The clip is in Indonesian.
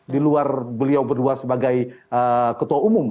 di luar beliau berdua sebagai ketua umum